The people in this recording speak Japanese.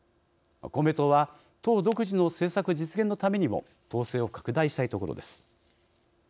公明党は、党独自の政策実現のためにも党勢を拡大したいところです。